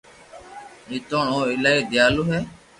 نيتوڙ او ايلائي ديالو ھي